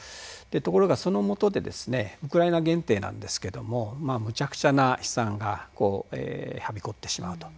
ところが、そのもとでウクライナ限定なんですがむちゃくちゃな悲惨がはびこってしまうと。